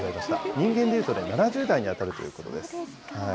人間でいうと７０代に当たるということです。